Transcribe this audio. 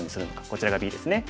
こちらがＢですね。